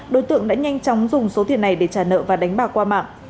đối tượng đã nhanh chóng dùng số tiền này để trả nợ và đánh bạc qua mạng